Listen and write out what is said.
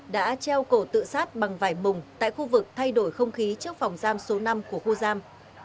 đã treo cổ tự sát bằng vải mùng tại khu vực thay đổi không khí trước phòng giam số năm của khu giam